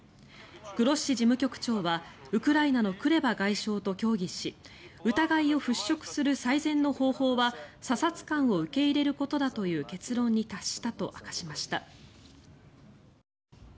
グロッシ事務局長はウクライナのクレバ外相と協議し疑いを払しょくする最善の方法は査察官を受け入れることだという結論に達したと明かしました。